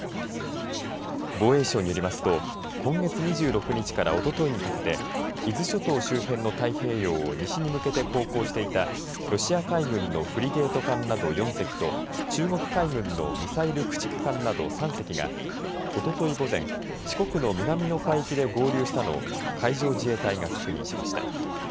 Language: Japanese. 防衛省によりますと今月２６日からおとといにかけて伊豆諸島周辺の太平洋を西に向けて航行していたロシア海軍のフリゲート艦など４隻と中国海軍のミサイル駆逐艦など３隻がおととい午前四国の南の海域で合流したのを海上自衛隊が確認しました。